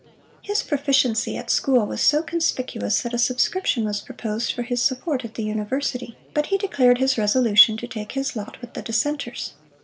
His proficiency at school was so conspicuous, that a subscription was proposed for his support at the University; but he declared his resolution to take his lot with the Dissenters.